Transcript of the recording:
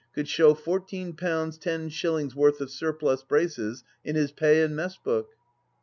could show fourteen pounds ten shillings worth of surplus braces in his pay and mess book